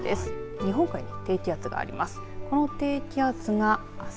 日本海に低気圧があります。